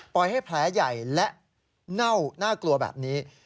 ให้แผลใหญ่และเน่าน่ากลัวแบบนี้